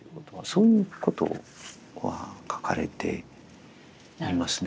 そういうことは書かれていますね。